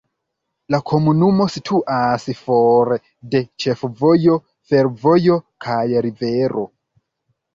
La komunumo situas for de ĉefvojo, fervojo kaj rivero.